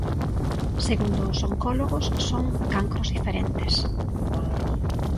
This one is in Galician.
Segundo os oncólogos, son cancros diferentes.